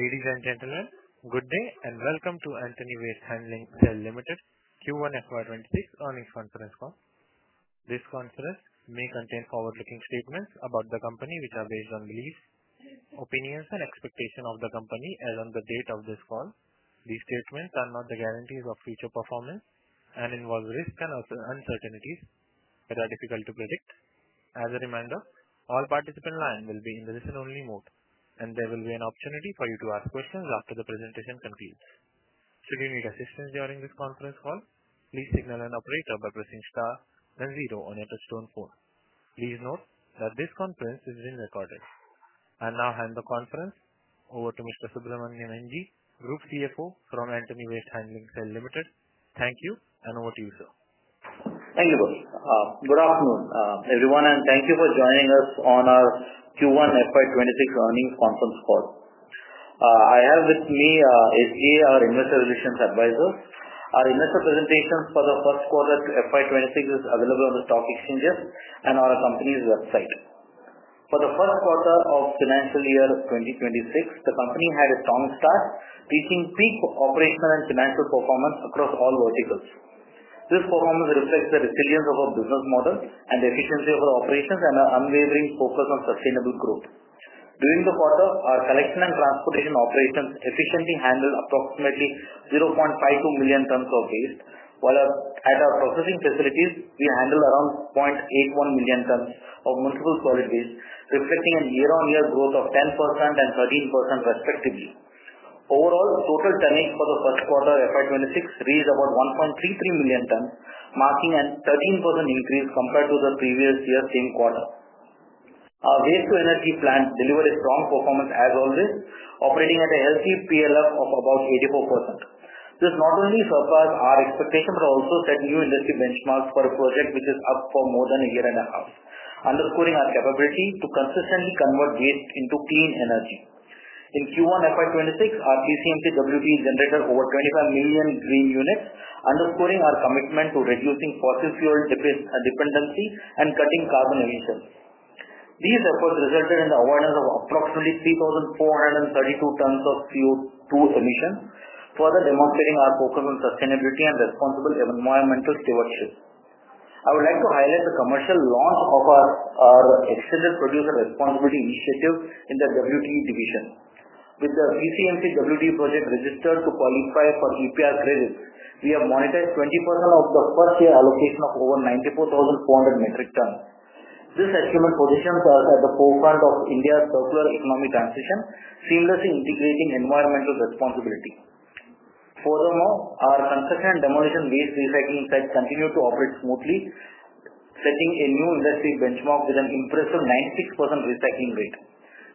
Ladies and gentlemen, good day and welcome to Antony Waste Handling Cell Limited Q1 FY 2026 Earnings Conference Call. This conference may contain forward-looking statements about the company, which are based on beliefs, opinions, and expectations of the company as on the date of this call. These statements are not the guarantees of future performance and involve risks and uncertainties that are difficult to predict. As a reminder, all participants' lines will be in listen-only mode, and there will be an opportunity for you to ask questions after the presentation concludes. Should you need assistance during this conference call, please signal an operator by pressing star then zero on your touchtone phone. Please note that this conference is being recorded. I now hand the conference over to Mr. Subramaniam N. G., Group CFO from Antony Waste Handling Cell Limited. Thank you and over to you, sir. Thank you, boss. Good afternoon, everyone, and thank you for joining us on our Q1 FY 2026 Earnings Conference Call. I have with me SGA, our Investor Relations Advisor. Our investor presentations for the first quarter of FY 2026 are available on the Stock Exchanges and on our Company's website. For the first quarter of the financial year 2026, the company had a strong start, reaching peak operational and financial performance across all verticals. This performance reflects the resilience of our business model and the efficiency of our operations and our unwavering focus on sustainable growth. During the quarter, our collection and transportation operations efficiently handled approximately 0.52 million tons of waste, while at our processing facilities, we handled around 0.81 million tons of municipal solid waste, reflecting a year-on-year growth of 10% and 13% respectively. Overall, total tonnage for the first quarter of FY 2026 reached about 1.33 million tons, marking a 13% increase compared to the previous year's same quarter. Our Waste-to-Energy plant delivered a strong performance as always, operating at a healthy PLF of about 84%. This not only surpassed our expectations but also set new industry benchmarks for a project which is up for more than a year and a half, underscoring our capability to consistently convert waste into clean energy. In Q1 FY 2026, our PCMC-WTE generated over 25 million green units, underscoring our commitment to reducing fossil fuel dependency and cutting carbon emissions. These efforts resulted in the avoidance of approximately 3,432 tons of CO2 emissions, further demonstrating our focus on sustainability and responsible environmental stewardship. I would like to highlight the commercial launch of our Extended Producer Responsibility initiative in the WTE division. With the PCMC-WTE project registered to qualify for EPR credits, we have monetized 20% of the first-year allocation of over 94,400 metric tons. This excellent position puts us at the forefront of India's circular economy transition, seamlessly integrating environmental responsibility. Furthermore, our demolition waste recycling sites continue to operate smoothly, setting a new industry benchmark with an impressive 96% recycling rate.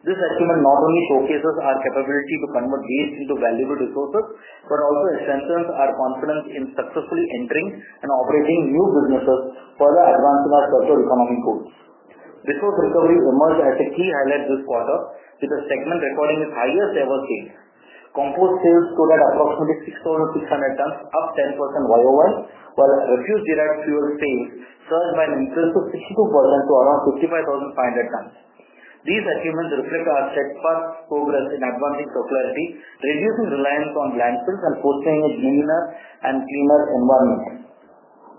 This achievement not only showcases our capability to convert waste into valuable resources but also strengthens our confidence in successfully entering and operating new businesses, further advancing our social economic goals. Resource recovery emerged as a key highlight this quarter, with the segment recording its highest ever sales. Compost sales stood at approximately 6,600 tons, up 10% year-over-year, while our refuse-derived fuel sales surged by an increase of 62% to around 55,500 tons. These achievements reflect our steadfast progress in advancing circularity, reducing reliance on landfills, and fostering a greener and cleaner environment.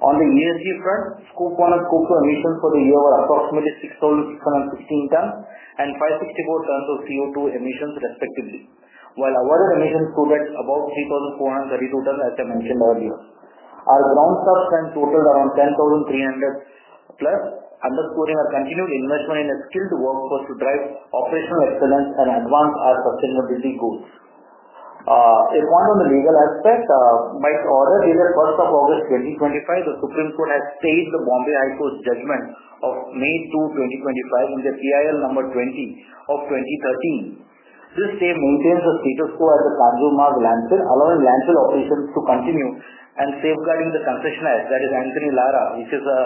On the ESG front, Scope 1 and Scope 2 emmissions for the year was approximately 6,615 tons and 564 tons of CO2 emissions, respectively, while our overall emissions stood at about 3,432 tons, as I mentioned earlier. Our ground staff strength totaled around 10,300+, underscoring our continued investment in a skilled workforce to drive operational excellence and advance our sustainability goals. A point on the legal aspect, by order dated August 1st, 2025, the Supreme Court has stayed the Bombay High Court's judgment of May 2, 2025, in PIL number 20 of 2013. This stay maintains the status quo at the Kanjurmarg landfill, allowing landfill operations to continue and safeguarding the concessionaire, that is, Antony Lara, which is a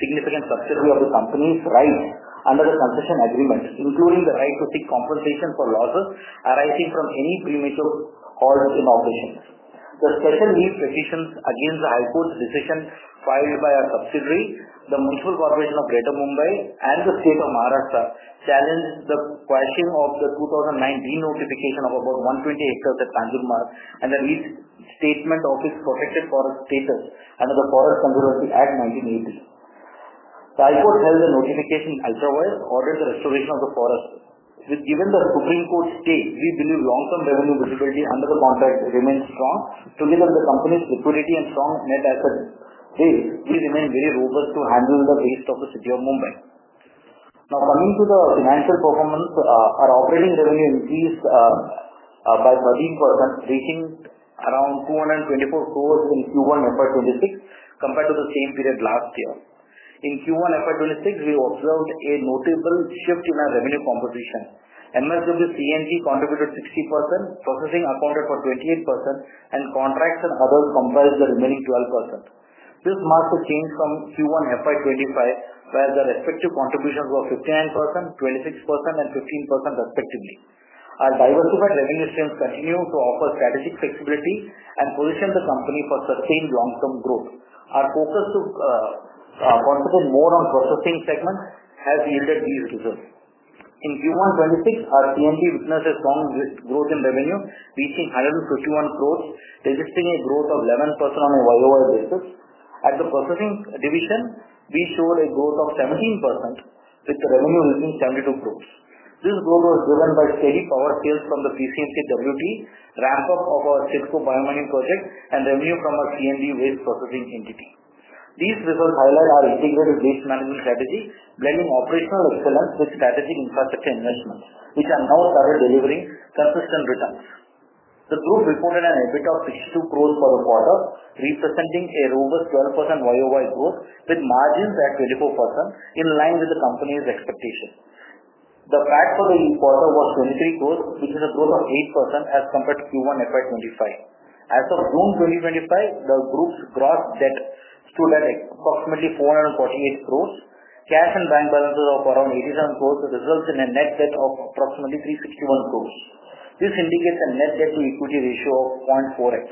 significant subsidiary of the Company's rights under the concession agreement, including the right to seek compensation for losses arising from any premature call in operations. For special leave petitions against the High Court's decisions filed by our subsidiary, the Municipal Corporation of Greater Mumbai, and the State of Maharashtra challenged the question of the 2019 notification of about 120 hectares at Kanjurmarg and the restatement of its protected forest status under the Forest Conservancy Act, 1980. The High Court held the notification ultra-vice, ordered the restoration of the forest. With the Supreme Court's stay, we believe long-term revenue visibility under the contract remains strong, together with the Company's equity and strong net assets. We remain very robust to handling the waste of the City of Mumbai. Now, coming to the financial performance, our operating revenue increased by 13%, reaching around 224 crores in Q1 FY 2026 compared to the same period last year. In Q1 FY 2026, we observed a notable shift in our revenue composition. MSW C&T contributed 60%, processing accounted for 28%, and contracts and others comprised the remaining 12%. This marked a change from Q1 FY 2025 where the respective contributions were 59%, 26%, and 15%, respectively. Our diversified revenue streams continue to offer strategic flexibility and position the company for sustained long-term growth. Our focus to concentrate more on processing segments has yielded these results. In Q1 2026, our C&T witnessed a strong growth in revenue, reaching 151 crores, registering a growth of 11% on a YoY basis. At the processing division, we showed a growth of 17%, with the revenue reaching 72 crores. This growth was driven by steady power sales from the PCMC-WTE, ramp-up of our CIDCO Bio-mining project, and revenue from our C&D waste processing entity. These results highlight our integrated waste management strategy, blending operational excellence with strategic infrastructure investment, which allows better delivery and consistent returns. The group reported an EBITDA of 52 crores for the quarter, representing a robust 12% YoY growth, with margins at 24%, in line with the Company's expectations. The PAT for the quarter was 23 crores, which is a growth of 8% as compared to Q1 FY 2025. As of June 2025, the group's gross debt stood at approximately 448 crores. Cash and bank balances of around 87 crores result in a net debt of approximately 361 crores. This indicates a net debt-to-equity ratio of 0.4x.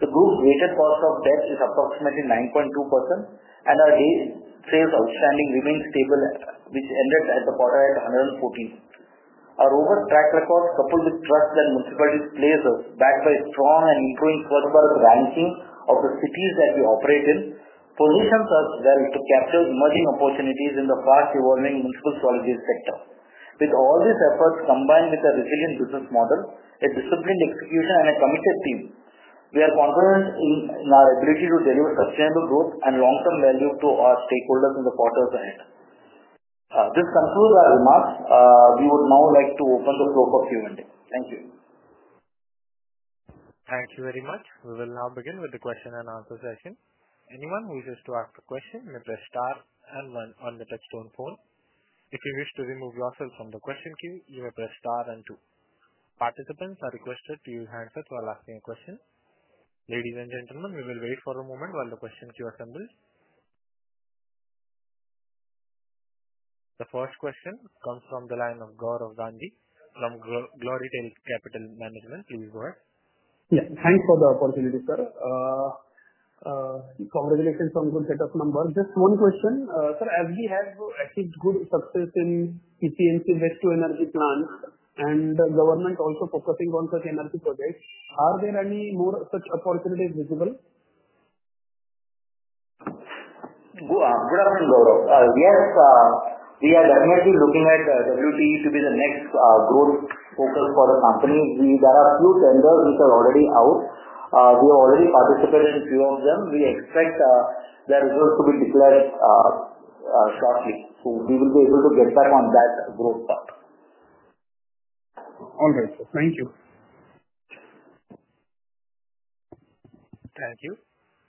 The group's weighted cost of debt is approximately 9.2%, and our sales outstanding remains stable, which ended the quarter at 140 days. Our robust track record, coupled with trust in municipal places, backed by a strong and improving quarterly ranking of the cities that we operate in, positions us well to capture emerging opportunities in the fast-evolving municipal solid waste sector. With all these efforts combined with a resilient business model, disciplined execution, and a committed team, we are confident in our ability to deliver sustainable growth and long-term value to our stakeholders in the quarter's end. This concludes our remarks. We would now like to open the floor for Q&A. Thank you. Thank you very much. We will now begin with the question and answer session. Anyone who wishes to ask a question may press star and one on the touchstone phone. If you wish to remove yourself from the question queue, you may press star and two. Participants are requested to use handsets while asking a question. Ladies and gentlemen, we will wait for a moment while the question queue assembles. The first question comes from the line of Gaurav Gandhi from Glorytails Capital Management. Please go ahead. Yeah. Thanks for the opportunity, sir. Congratulations on the good set of numbers. Just one question, sir. As we have achieved good success in PCMC Waste-to-Energy plants and the government also focusing on such energy projects, are there any more such opportunities visible? Good afternoon, Gaurav. Yes, we are definitely looking at WTE to be the next growth focus for the company. There are a few tenders which are already out. We have already participated in a few of them. We expect their results to be declared shortly, we will be able to get back on that growth path. All right. Thank you. Thank you.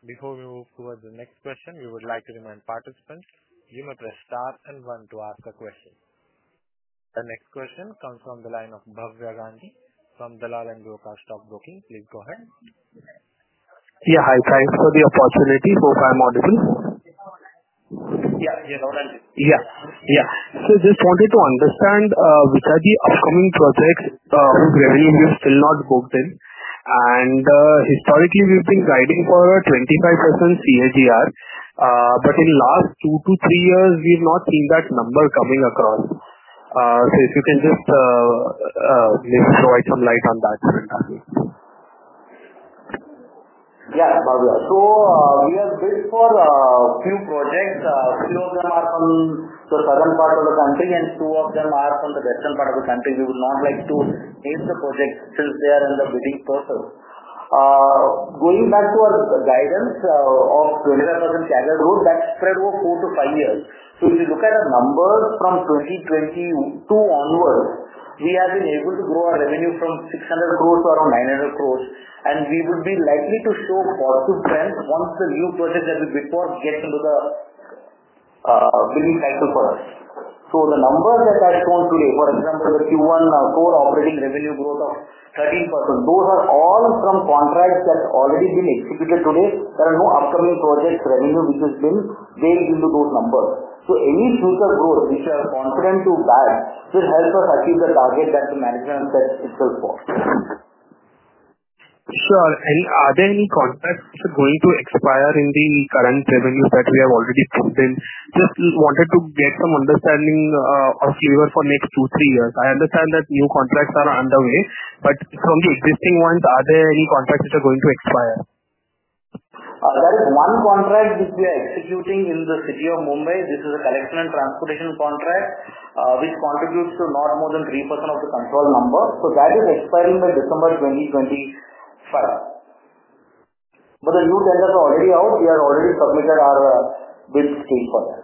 Before we move towards the next question, we would like to remind participants you may press star and one to ask a question. The next question comes from the line of Bhavya Gandhi from Dalal & Broacha Stock Broking. Please go ahead. Yeah. Hi, thanks for the opportunity. Hope I'm audible. Yeah, yeah. Just wanted to understand, which are the upcoming projects? Our revenue still not broken. Historically, we've been driving for a 25% CAGR, but in the last two to three years, we've not seen that number coming across. If you can just, you know, provide some light on that, great idea. Yeah, Bhavya. We have bid for a few projects. A few of them are from the southern part of the country, and two of them are from the western part of the country. We would not like to name the projects since they are in the bidding process. Going back to our guidance of 25% CAGR growth, that's spread over four to five years. If you look at a number from 2022 onwards, we have been able to grow our revenue from 600 crores to around 900 crores. We would be likely to show a positive trend once the new projects that we bid for get into the bidding cycle for us. The numbers that I've shown today, for example, Q1 core operating revenue growth of 13%, those are all from contracts that have already been executed today. There are no upcoming projects' revenue which has been built into those numbers. Any future growth, which we are confident to bag, should help us achieve the target that the management sets itself for. Sir, are there any contracts going to expire in the current revenue that we have already put in? I just wanted to get some understanding or flavor for the next two to three years. I understand that new contracts are underway. In terms of existing ones, are there any contracts which are going to expire? There is one contract which we are executing in the City of Mumbai. This is a collection and transportation contract, which contributes to not more than 3% of the control number. That is expiring by December 2025. The new tenders are already out. We have already submitted our bid to bid for them.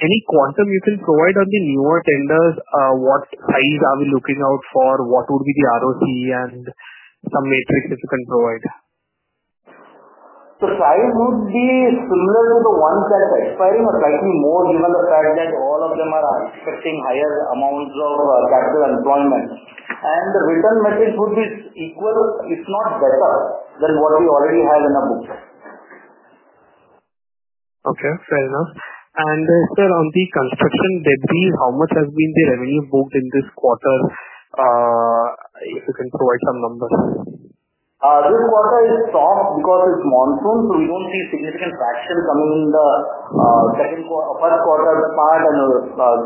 Any quantum you can provide on the newer tenders? What size are we looking out for? What would be the ROCE and some metrics if you can provide? The size would be similar to the ones that are expiring, but slightly more, given the fact that all of them are assessing higher amounts of capital employment. The return metrics would be equal, if not better, than what we already have in our budget. Okay. Fair enough. Sir, on the construction debt, how much has been the revenue booked in this quarter? You can provide some numbers on it. This quarter is strong because it's monsoon, so we don't see significant traction coming in the second quarter, third quarter part, and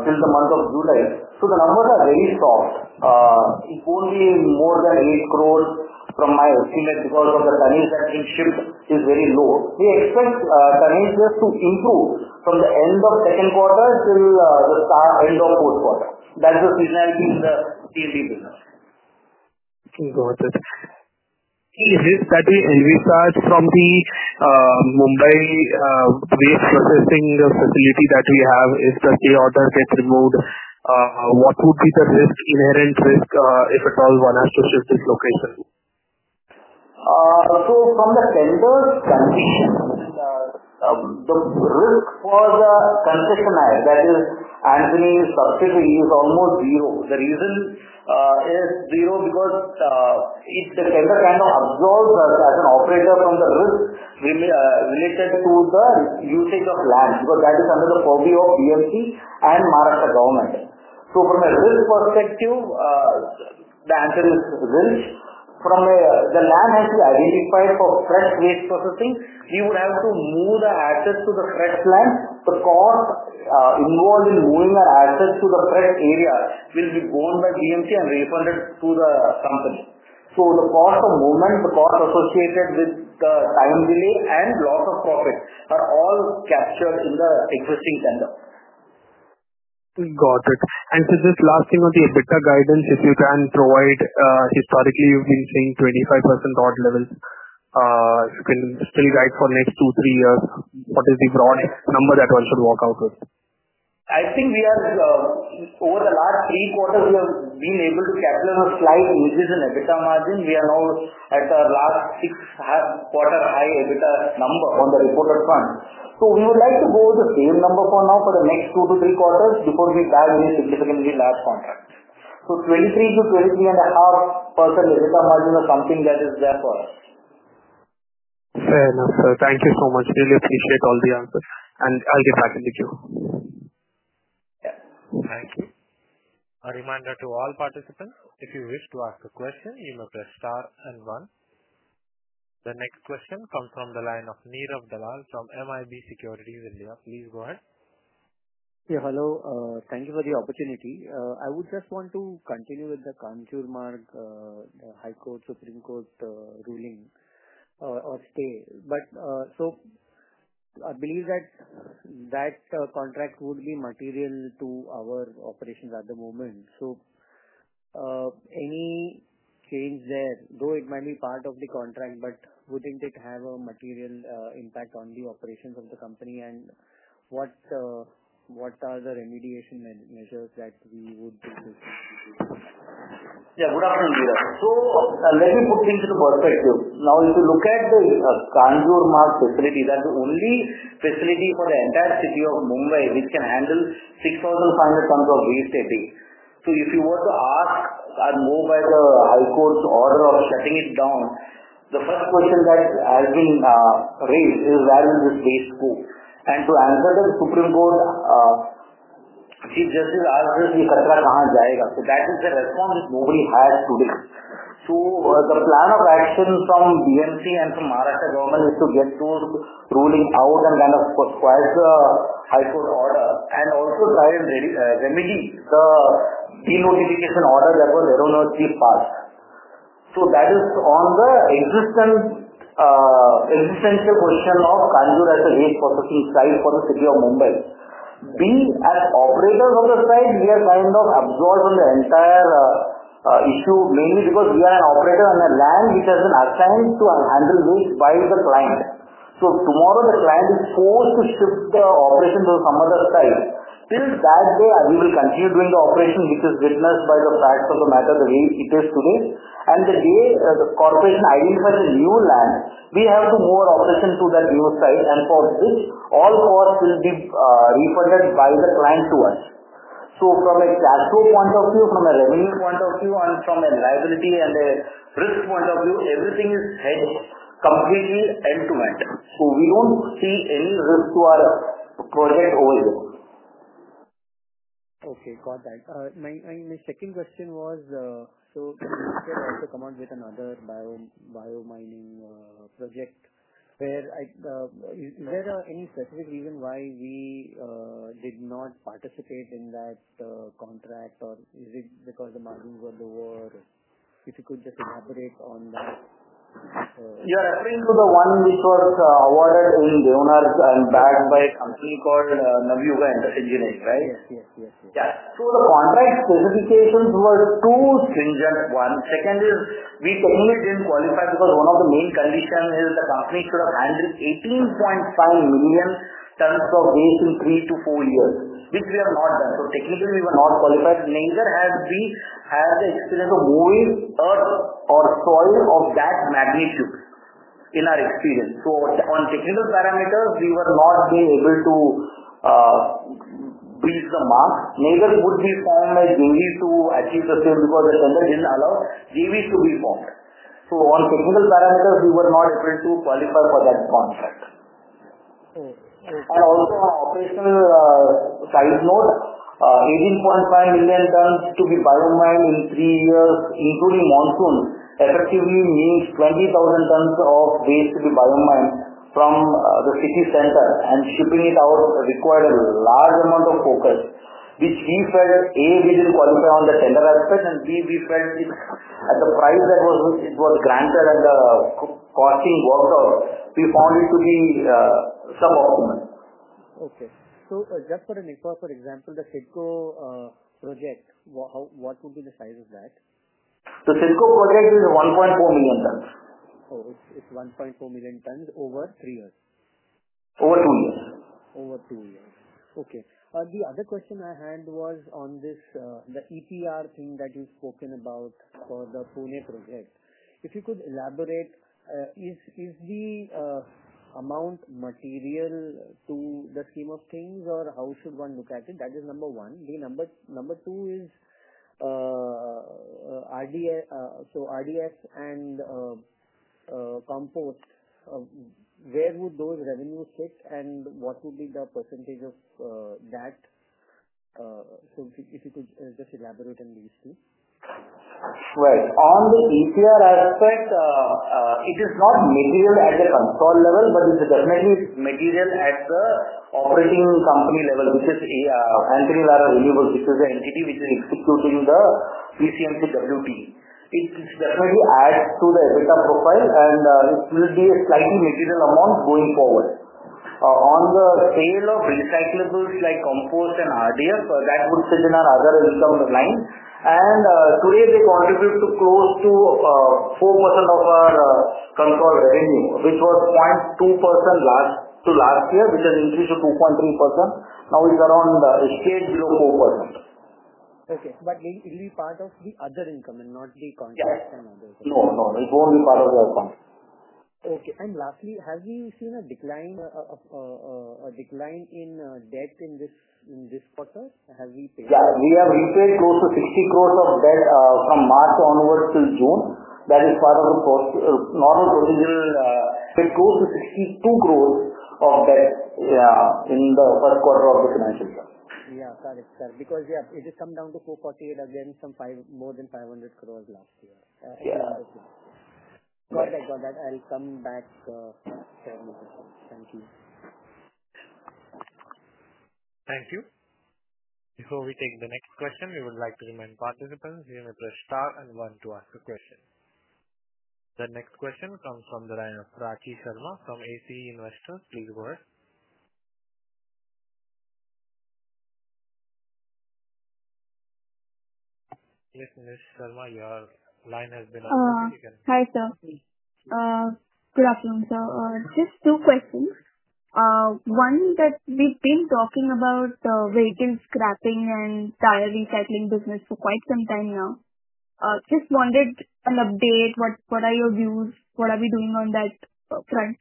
till the month of July. The numbers are very soft. It's only more than 8 crores from my estimate because of the 2017 shift, which is very low. We expect tonnage to improve from the end of the second quarter till the end of the fourth quarter. That's the seasonality in the C&D business. Got it. In your case study and research from the Mumbai waste processing facility that you have, is structured out of the remote, what would be the risk, inherent risk, if at all, one has to shift its location? From the tenders, the risk for the concessionary, that is, annually sorted, is almost zero. The reason is zero because if the tender cannot absorb us as an operator from the risk related to the usage of land, that is under the purview of PMC and Maharashtra government. From a risk perspective, the answer is risk. From the land has been identified for fresh waste processing, we would have to move the assets to the fresh land. The cost involved in moving our assets to the fresh area will be borne by PMC and refunded to the company. The cost of movement, the cost associated with the time delay, and loss of profit are all captured in the existing tender. Got it. Just last thing on the EBITDA guidance, if you can provide, historically, you've been seeing 25% odd levels. Can you still write for the next two to three years? What is the broad number that one should walk out with? I think we are, over the last three quarters, we have been able to capture a slight increase in EBITDA margin. We are now at our last six-quarter high EBITDA number on the reported fund. We would like to go with the same number for now for the next two to three quarters before we dive into significantly larger contracts. 23%-23.5% EBITDA margin is something that is there for us. Fair enough. Thank you so much. Really appreciate all the answers. I'll get back to the queue. Thank you. A reminder to all participants, if you wish to ask a question, you may press star and one. The next question comes from the line of Neerav Dalal from MIB Securities India. Please go ahead. Yeah. Hello. Thank you for the opportunity. I would just want to continue with the Kanjurmarg, High Court, Supreme Court's ruling or stay. I believe that that contract would be material to our operations at the moment. Any change there, though it might be part of the contract, wouldn't it have a material impact on the operations of the company? What are the remediation measures that we would? Yeah. Good afternoon, Neerav. Let me put things into perspective. Now, if you look at the Kanjurmarg landfill facility, that's the only facility for the entire City of Mumbai which can handle 6,500 tons of waste a day. If you were to ask and move by the Bombay High Court's order of shutting it down, the first question that has been raised is, where will this waste go? To answer that, the Supreme Court sees just as if the customer can't go anywhere. That is the response that nobody had today. The plan of action from BMC and from the Maharashtra government is to get those rulings out and kind of squash the High Court order and also try and remedy the denotification order that was there on our chief task. That is on the existential question of Kanjurmarg as a waste processing site for the City of Mumbai. The operators of the site, we have kind of absorbed from the entire issue mainly because we are an operator on the land which has been assigned to handle waste by the client. Tomorrow, if the client is forced to shift the operation to some other site, till that day, we will continue doing the operation, which is witnessed by the fact of the matter, the way it is today. The day the corporation identifies a new land, we have to move our operation to that new site. For this, all costs will be refunded by the client to us. From a cash flow point of view, from a revenue point of view, and from a liability and a risk point of view, everything is headed completely end-to-end. We don't see any risk to our project overall. Okay. Got that. My second question was, so BMC has also come on with another bio-mining project. Is there any specific reason why we did not participate in that contract, or is it because the margins were lower, or if you could just elaborate on that? You're referring to the one which was awarded in the owners and backed by a company called Navayuga Industrial Engineering, right? Yes, yes. Yeah. The contract closing cases were two things at once. Second is, we totally didn't qualify because one of the main conditions is the company should have handled 18.5 million tons of waste in three to four years, which we have not done. Technically, we were not qualified, neither had we had the experience of moving earth or soil of that magnitude in our experience. On technical parameters, we were not being able to beat the mark, neither would we form a JV to achieve the same because the tenders didn't allow JVs to be formed. On technical parameters, we were not able to qualify for that contract. Also, our operational side note, 18.5 million tons to be biomined in three years, including monsoon, effectively means 20,000 tons of waste to be biomined from the city center. Shipping it out required a large amount of focus, which we felt, A, we didn't qualify on the tender aspect, and B, we felt at the price that it was granted and the costing works out, we found it to be suboptimal. Okay, just for a proper example, the CIDCO project, what would be the size of that? The CIDCO project is 1.4 million tons. Oh, it's 1.4 million tons over three years? Over two years. Over two years. Okay. The other question I had was on this, the EPR thing that you've spoken about for the Pune project. If you could elaborate, is the amount material to the scheme of things, or how should one look at it? That is number one. Number two is, RDF and compost. Where would those revenues sit, and what would be the percentage of that? If you could just elaborate on these two. Right. On the EPR aspect, it is not material at the control level, but it's definitely material at the operating company level, which is Antony Lara, which is an entity which is executing the PCMC WTE. It just definitely adds to the EBITDA profile, and it will be a slightly material amount going forward. On the sale of recyclables like compost and RDF, that would sit in our other income line. Today, they contribute to close to 4% of our control revenue, which was 0.2% last year, which has increased to 2.3%. Now it's around a shade below 4%. It'll be part of the other income and not the contract. No, no, no. It won't be part of the contract. Okay. Lastly, have we seen a decline in debt in this quarter? Have we paid? Yeah. We have repaid close to INR 60 crores of debt from March onwards to June. That is part of the normal procedure. It goes to 62 crores of debt in the first quarter of the financial year. Yeah. Got it, sir. Because, yeah, it has come down to 448 crore, and then some more than 500 crores last year. Yeah. Got it. I'll come back, sir, if you can. Thank you. Before we take the next question, we would like to remind participants, you may press star and one to ask a question. The next question comes from the line of Prachi Sharma from ACE Investors. Please go ahead. Yes, Ms. Sharma, your line has been off. Hi, sir. Good afternoon, sir. Just two questions. One that we've been talking about the vehicle scrapping and tire recycling business for quite some time now. Just wanted an update. What are your views? What are we doing on that front?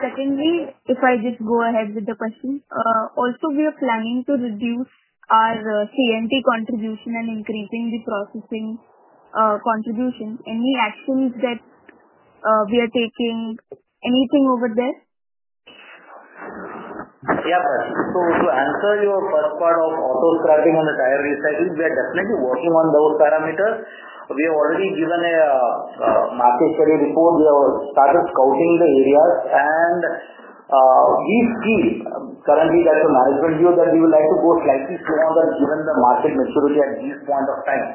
Secondly, we are planning to reduce our C&T contribution and increasing the processing contribution. Any actions that we are taking? Anything over this? Yeah, Prachi. To answer your first part of auto scrapping on the tire recycling, we are definitely working on those parameters. We have already given a market-study report. We have started scouting the areas. We feel currently that the management view is that we would like to go slightly slower given the market maturity at this point of time.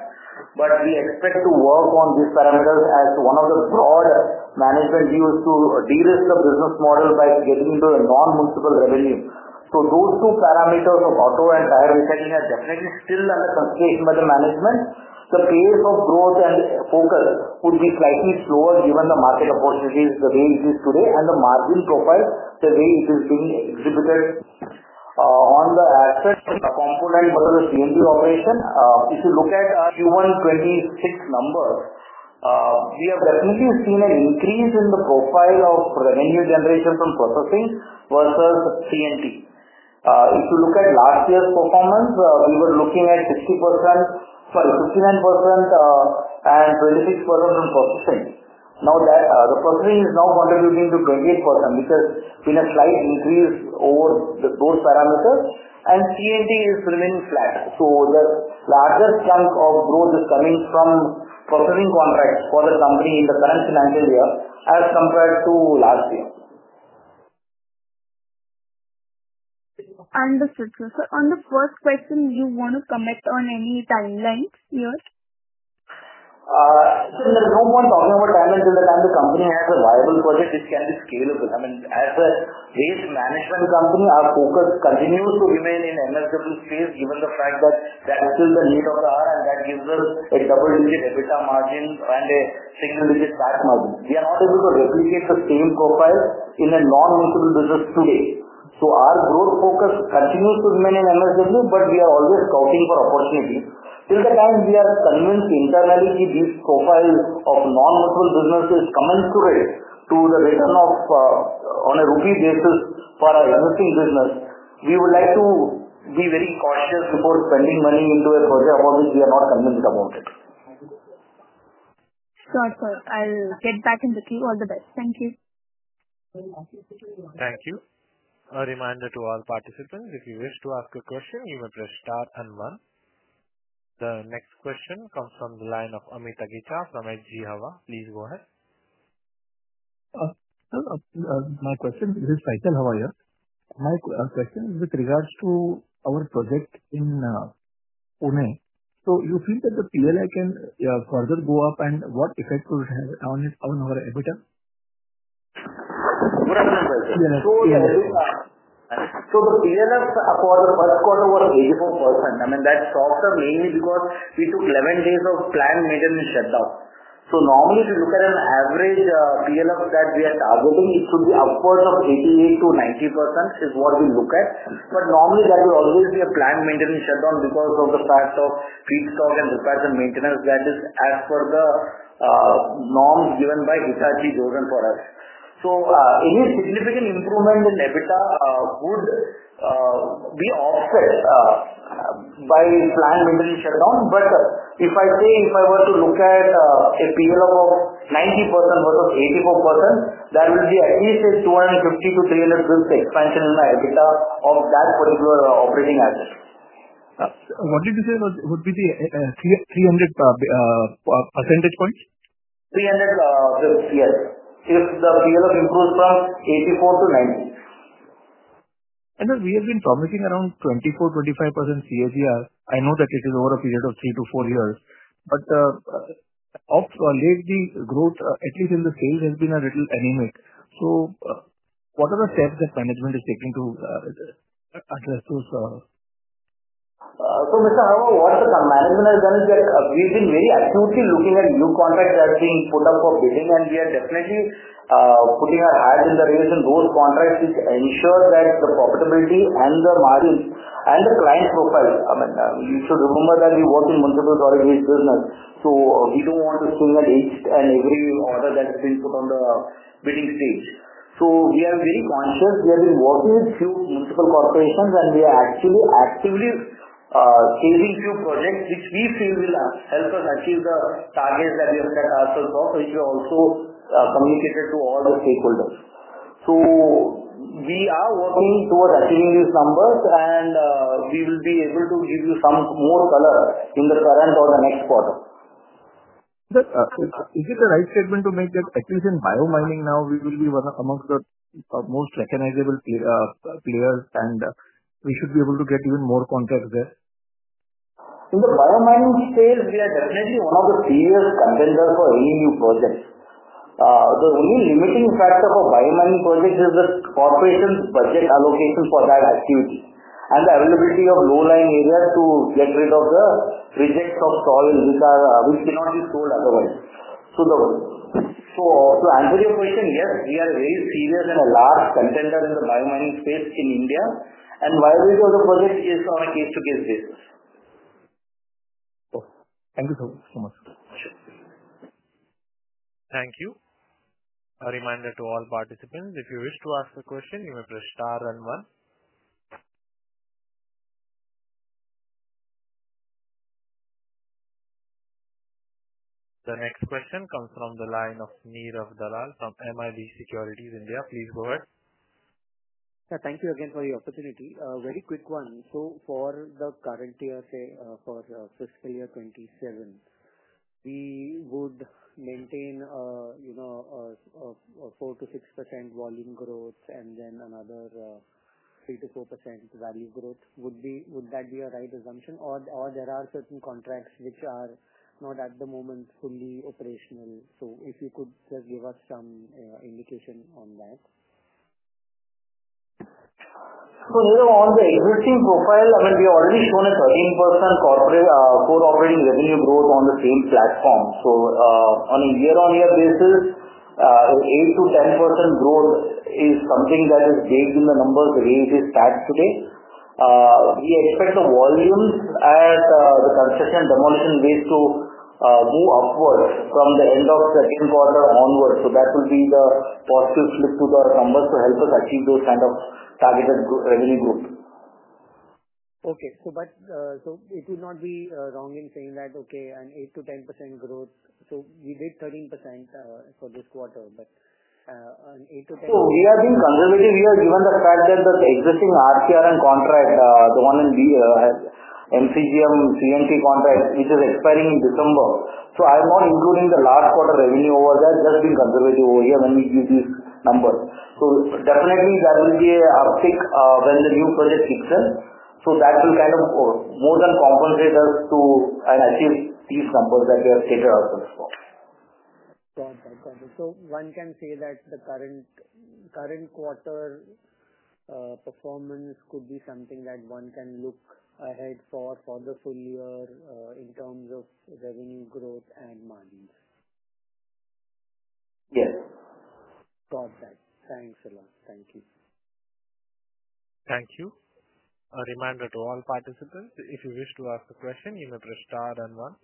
We expect to work on these parameters as one of the broader management views to de-risk the business model by getting into a non-multiple revenue. Those two parameters of auto and tire recycling are definitely still under consideration by the management. The pace of growth and focus would be slightly slower given the market opportunities, the way it is today, and the margin profile, the way it is being executed on the assets and the component of the C&T operation. If you look at our Q1 2026 number, we have definitely seen an increase in the profile of revenue generation from processing versus C&T. If you look at last year's performance, we were looking at 59% and 26% from processing. Now the processing is now contributing to 28%, which has been a slight increase over those parameters. C&T is remaining flat. The largest chunk of growth is coming from processing contracts for the company in the current financial year as compared to last year. Understood, sir. On the first question, you want to comment on any timeline here? We are now talking about timelines in the time the Company has a viable project which can be scalable. As a case management, the Company, our focus continues to remain in MSW space given the fact that until the mid-hour hour, and that gives us a double-digit EBITDA margin and a single-digit cash margin. We are not able to reproduce the same profile in a non-multiple business today. Our growth focus continues to remain in MSW, but we are always scouting for opportunities. Till the time we are convinced internally to use profiles of non-multiple businesses commensurate to the return of on a rookie basis for our existing business, we would like to be very cautious before spending money into a project about which we are not convinced about it. Got it. I'll get back in the queue. All the best. Thank you. Thank you. A reminder to all participants, if you wish to ask a question, you may press star and one. The next question comes from the line of Amit Agicha from H.G. Hawa. Please go ahead. Hello. This is Faisal Hawa here, how are you? My question is with regards to our project in Pune. Do you feel that the PLF can further go up, and what effect will it have on our EBITDA? Yeah. The PLF for the first quarter was 84%. That's softer mainly because we took 11 days of planned maintenance shutdown. Normally, if you look at an average PLF that we are targeting, it could be upwards of 88%-90% is what we look at. Normally, there will always be a planned maintenance shutdown because of the fact of feedstock and repairs and maintenance that is as per the norms given by Hitachi Zosen for us. Any significant improvement of EBITDA would be offered by planned maintenance shutdown. If I were to look at a PLF of 90% versus 84%, there will be at least a 250-300 basis points expansion in my EBITDA on that particular operating asset. What did you say? What would be the 300 percentage points? 300 basis points, yes, if the PLF improves from 84%-90%. We have been promising around 24%, 25% CAGR. I know that this is over a period of three to four years. Of lately, growth, at least in the sales, has been a little anemic. What are the steps that management is taking to address those? We have been very acutely looking at new contracts that are being put up for bidding, and we are definitely putting our hats in the race in those contracts to ensure that the profitability and the margins and the client's profile. You should remember that we work in municipal solid waste business. We don't want to go at each and every order that is input on the bidding stage. We are very conscious. We have been working with a few municipal corporations, and we are actually actively facing a few projects which we feel will help us achieve the targets that we have set ourselves up, which are also communicated to all the stakeholders. We are working towards achieving these numbers, and we will be able to give you some more color in the current or the next quarter. Is it the right statement to make that at least in bio-mining now, we will be amongst the most recognizable players, and we should be able to get even more contracts there? In the bio-mining detail, we are definitely one of the serious contenders for any new projects. The only limiting factor for biomining projects is the corporation's budget allocation for that activity and the availability of low-lying areas to get rid of the projects of soil, which cannot be stored otherwise. To answer your question, yes, we are a very serious and a large contender in the bio-mining space in India. We do the project on a case-to-case basis. Thank you so much. Thank you. A reminder to all participants, if you wish to ask a question, you may press star and one. The next question comes from the line of Neerav Dalal from MIB Securities India. Please go ahead. Thank you again for the opportunity. A very quick one. For the current year, say for fiscal year 2027, we would maintain a 4%-6% volume growth and then another 3%-4% value growth. Would that be a right assumption, or are there certain contracts which are not at the moment fully operational? If you could give us some indication on that. On the EBITDA profile, we are already showing a 13% core operating revenue growth on the same platform. On a year-on-year basis, 8%-10% growth is something that is vague in the numbers the way it is tagged today. We expect the volumes at the concession and demolition waste to move upwards from the end of the second quarter onwards. That will be the positive shift to the numbers to help us achieve those kinds of targeted revenue growth. It would not be wrong in saying that, okay, an 8%-10% growth. We did 13% for this quarter, but an 8%-10%. We have been conservative, given the fact that the existing RC/RN and contract, the one in MCGM C&T contract, is expiring in December. I'm not including the last quarter revenue over there. I've just been conservative over here when we give these numbers. That will be a fix when the new project kicks in. That will kind of more than compensate us to achieve these numbers that we have stated ourselves for. Got it. Got it. One can say that the current quarter performance could be something that one can look ahead for for the full year in terms of revenue growth and margins. Yes. Got that. Thanks a lot. Thank you, sir. Thank you. A reminder to all participants, if you wish to ask a question, you may press star and one.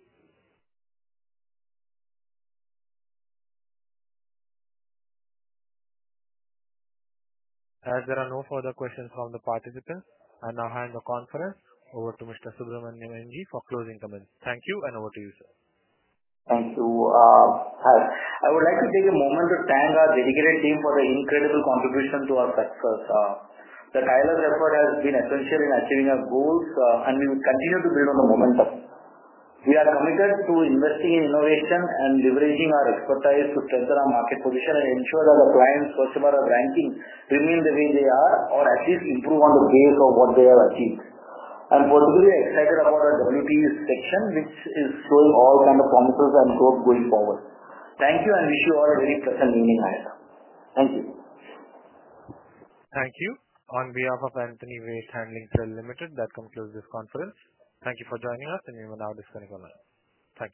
As there are no further questions from the participants, I now hand the conference over to Mr. Subramanian N.G. for closing comments. Thank you, and over to you, sir. Thanks. I would like to take a moment to thank our dedicated team for the incredible contribution to our success. The Thailand effort has been essential in achieving our goals, and we will continue to build on the momentum. We are committed to investing in innovation and leveraging our expertise to strengthen our market position and ensure that our clients' Swachh Bharat rankings remain the way they are or at least improve on the basis of what they have achieved. I'm particularly excited about our WTE section, which is full of all kinds of promises and growth going forward. Thank you, and wish you all a very pleasant meeting, guys. Thank you. Thank you. On behalf of Antony Waste Handling Cell Limited, that concludes this conference. Thank you for joining us, and we will now disconnect on our time.